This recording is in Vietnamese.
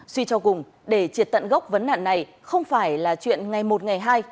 suy cho cùng để triệt tận gốc vấn nạn này không phải là chuyện ngày một ngày hai